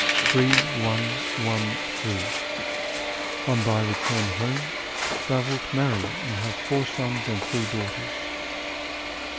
Thire, one, one, three ; on thy return home thou wilt marry and have four sons and three daughters.